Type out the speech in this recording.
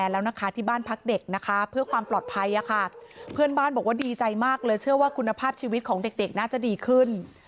แล้วพี่บ้านบอกว่าดีใจมากเลยเชื่อว่าคุณภาพชีวิตของเด็กน่าจะดีขึ้น